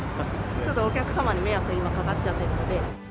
ちょっとお客様に迷惑が今、かかっちゃってるので。